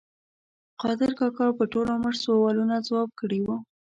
قادر کاکا په ټول عمر سوالونه ځواب کړي وو.